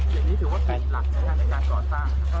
เหมือนจะผิดหลักในการก่อสร้าง